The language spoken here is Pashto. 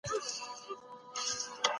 شخصیت د انسان په خبرو او کړنو کي ښکاري.